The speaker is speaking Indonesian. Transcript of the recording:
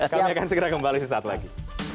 kami akan segera kembali suatu saat lagi